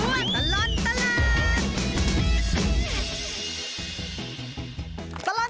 ชั่วตลอดตลาด